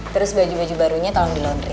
terus baju baju barunya tolong di laundry